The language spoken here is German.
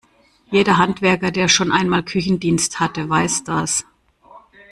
Jeder Handwerker, der schon einmal Küchendienst hatte, weiß das.